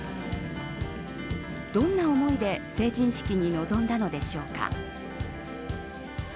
どんな思いで成人式に臨んだのでしょうか。